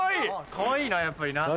かわいいなやっぱりな。